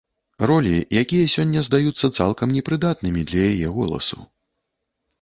Ролі, якія сёння здаюцца цалкам непрыдатнымі для яе голасу.